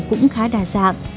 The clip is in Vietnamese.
cũng khá đa dạng